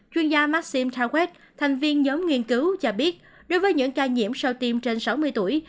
chuyên gia maxim tawet thành viên nhóm nghiên cứu cho biết đối với những ca nhiễm sau tim trên sáu mươi tuổi